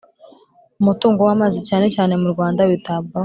umutungo w amazi cyane cyane mu Rwanda witabwaho